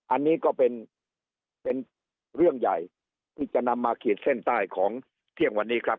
อันนี้ก็เป็นเรื่องใหญ่ที่จะนำมาขีดเส้นใต้ของเที่ยงวันนี้ครับ